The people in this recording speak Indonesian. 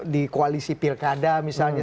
di koalisi pilkada misalnya